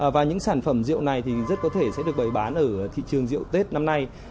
và những sản phẩm rượu này thì rất có thể sẽ được bày bán ở thị trường rượu tết năm nay